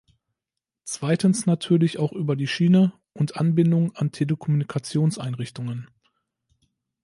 Zweitens natürlich auch über die Schiene und Anbindung an Telekommunikationseinrichtungen.